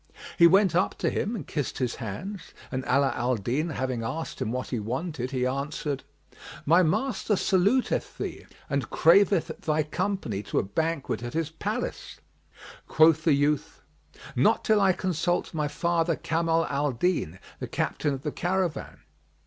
He went up to him and kissed his hands, and Ala al Din having asked him what he wanted, he answered, "My master saluteth thee and craveth thy company to a banquet at his place." Quoth the youth, "Not till I consult my father Kamal al Din, the captain of the caravan."